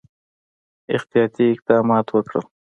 احتیاطي اقدمات وکړل.